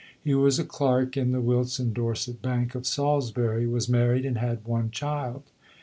He was a clerk in the Wilts and Dorset Bank at Salisbury, was married and had one child.